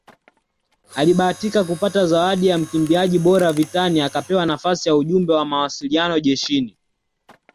Alibahatika kupata zawadi ya mkimbiaji bora vitani akapewa nafasi ya ujumbe wa mawasiliano jeshini